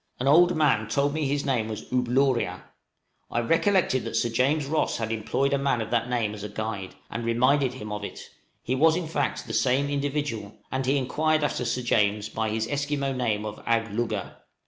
An old man told me his name was "Ooblooria:" I recollected that Sir James Ross had employed a man of that name as a guide, and reminded him of it; he was, in fact, the same individual, and he inquired after Sir James by his Esquimaux name of "Agglugga."